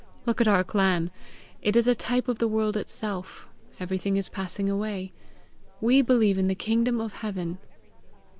Look at our clan! it is a type of the world itself. Everything is passing away. We believe in the kingdom of heaven."